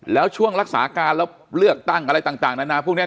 แล้วช่วงรักษาการแล้วเลือกตั้งอะไรต่างนานาพวกนี้